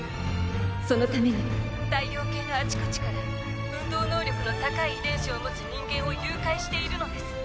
「そのために太陽系のあちこちから運動能力の高い遺伝子を持つ人間を誘拐しているのです」